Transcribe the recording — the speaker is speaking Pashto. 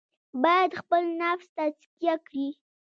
باید خپل نفس تزکیه کړي.